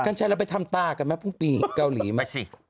กันใช่แล้วไปทำตากันไหมพรุ่งปีเกาหลีมาสิ